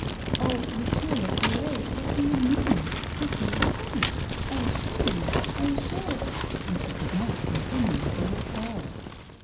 " Oh ! monsieur le cure, what do you mean 1 What do you think? I assure you — I assure —" and she could not continue for her sobs.